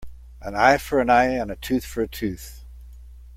An eye for an eye and a tooth for a tooth.